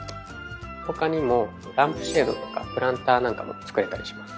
他にもランプシェードとかプランターなんかも作れたりします。